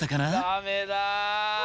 ダメだ。